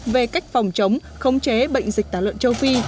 về cách phòng chống khống chế bệnh dịch tả lợn châu phi